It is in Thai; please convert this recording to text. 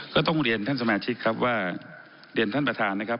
ก็ต้องเรียนท่านสมาชิกครับว่าเรียนท่านประธานนะครับ